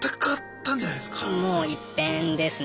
もう一変ですね。